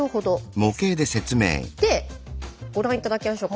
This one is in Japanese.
でご覧頂きましょう。